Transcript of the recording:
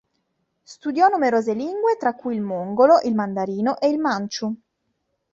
Studiò numerose lingue, tra cui il mongolo, il mandarino e il manchu.